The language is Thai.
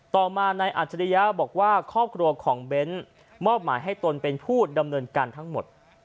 ต่อมานายอัจฉริยะบอกว่าครอบครัวของเบ้นมอบหมายให้ตนเป็นผู้ดำเนินการทั้งหมด